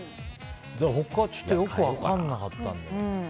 他はちょっとよく分からなった。